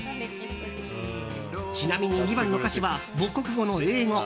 ちなみに２番の歌詞は母国語の英語。